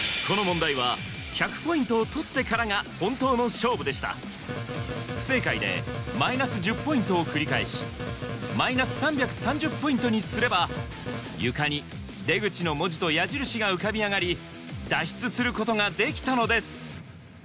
この問題は不正解でマイナス１０ポイントを繰り返しマイナス３３０ポイントにすれば床に「出口」の文字と矢印が浮かび上がり脱出することができたのです